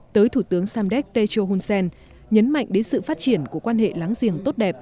tới thủ tướng samdek techo hunsen nhấn mạnh đến sự phát triển của quan hệ láng giềng tốt đẹp